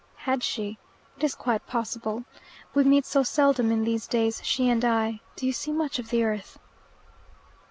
"Has she? It is quite possible. We meet so seldom in these days, she and I. Do you see much of the earth?"